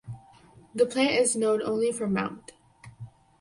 The plant is known only from Mt.